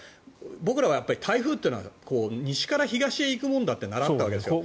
僕らは台風というのは西から東へ行くものだって習ったわけですよ。